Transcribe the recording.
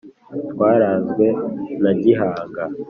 Twarazwe na Gihanga